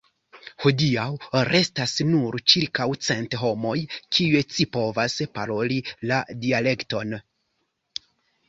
Hodiaŭ restas nur ĉirkaŭ cent homoj kiuj scipovas paroli la dialekton.